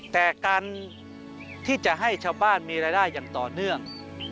แต่การที่จะให้ชาวบ้านมีรายได้อย่างต่อเนื่อง